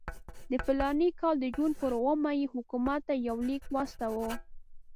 د فلاني کال د جون پر اوومه یې حکومت ته یو لیک واستاوه.